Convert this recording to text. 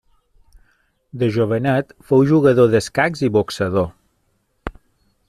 De jovenet fou jugador d'escacs i boxador.